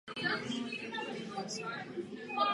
Prosadil se i jako skladatel hudby.